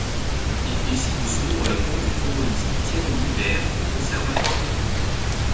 Il décide de suivre les cours du tromboniste Thierry Lhiver au conservatoire de Caen.